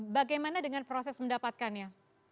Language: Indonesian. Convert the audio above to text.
bagaimana dengan proses mendapatkannya